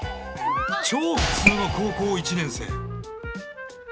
超普通の高校１年生。